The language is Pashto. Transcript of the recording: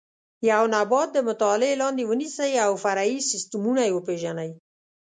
یو نبات د مطالعې لاندې ونیسئ او فرعي سیسټمونه یې وپېژنئ.